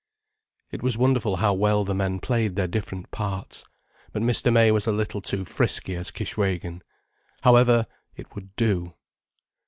It was wonderful how well the men played their different parts. But Mr. May was a little too frisky as Kishwégin. However, it would do.